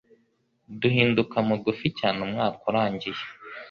Duhinduka mugufi cyane umwaka urangiye.